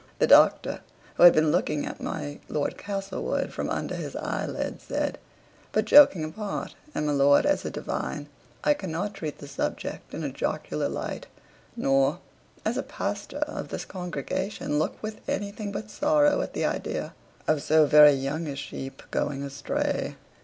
The Doctor, who had been looking at my Lord Castlewood from under his eyelids, said, "But joking apart, and, my lord, as a divine, I cannot treat the subject in a jocular light, nor, as a pastor of this congregation, look with anything but sorrow at the idea of so very young a sheep going astray."